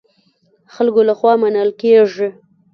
خلکو له خوا منل کېږي.